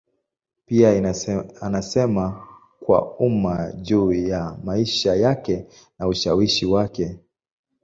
Pia anasema kwa umma juu ya maisha yake na ushawishi wake.